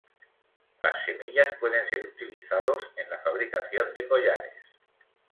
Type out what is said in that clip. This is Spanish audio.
Las semillas pueden ser utilizados en la fabricación de collares.